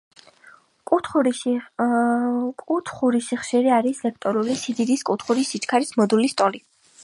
კუთხური სიხშირე არის ვექტორული სიდიდის, კუთხური სიჩქარის მოდულის ტოლი.